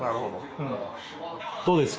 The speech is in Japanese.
どうですか？